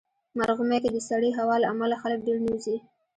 مرغومی کې د سړې هوا له امله خلک ډېر نه وځي.